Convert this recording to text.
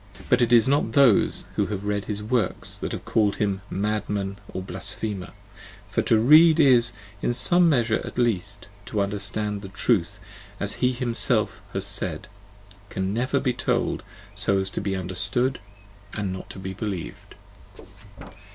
But it is not those who have read his works that have called him madman or blasphemer: for to read is, in some measure at least, to understand, and Truth, as he himself has said, can never be told so as to be understood and not be believed.